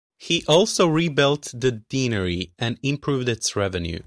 He also rebuilt the deanery, and improved its revenue.